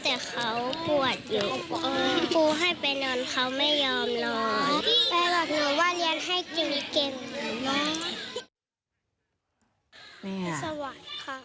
สวัสดีค่ะ